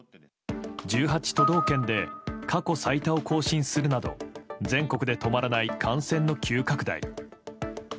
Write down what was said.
１８都道県で過去最多を更新するなど全国で止まらない感染の急拡大。